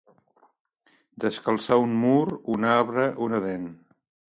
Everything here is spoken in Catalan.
Descalçar un mur, un arbre, una dent.